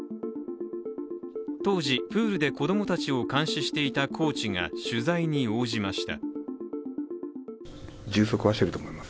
当時、プールで子供たちを監視していたコーチが取材に応じました。